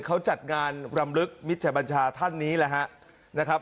เขาจัดงานรำลึกมิจฉบัญชาท่านนี้แหละครับนะครับ